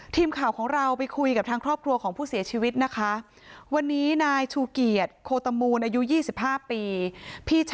ถูกต้องแล้วคนที่เขาเสียชีวิตเขาก็มี